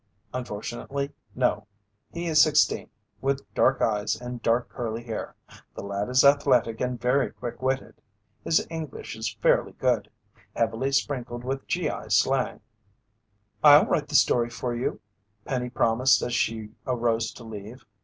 "Unfortunately, no. He is sixteen, with dark eyes and dark, curly hair. The lad is athletic and very quick witted. His English is fairly good, heavily sprinkled with G.I. slang." "I'll write the story for you," Penny promised as she arose to leave.